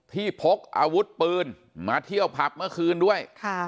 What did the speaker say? พกอาวุธปืนมาเที่ยวผับเมื่อคืนด้วย